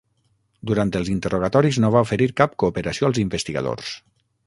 Durant els interrogatoris, no va oferir cap cooperació als investigadors.